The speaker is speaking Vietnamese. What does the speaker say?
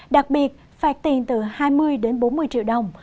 đặc biệt phạt tiền từ hai mươi đến bốn mươi triệu đồng